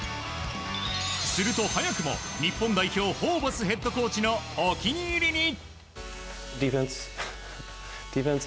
すると、早くも日本代表ホーバスヘッドコーチのお気に入りに。